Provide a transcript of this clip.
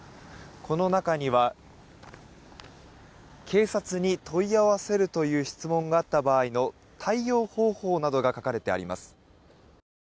この中には、警察に問い合わせるという質問があった場合の対応方法などが書かれてあります。